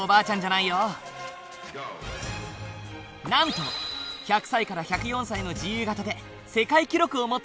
なんと１００歳から１０４歳の自由形で世界記録を持っているんだ。